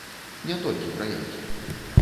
Не толькі пра яйкі.